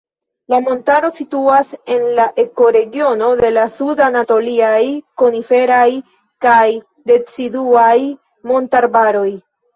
La montaro situas en la ekoregiono de la sud-anatoliaj koniferaj kaj deciduaj montarbaroj.